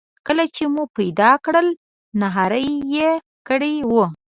کله چې مو پیدا کړل نهاري یې کړې وه.